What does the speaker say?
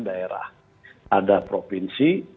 daerah ada provinsi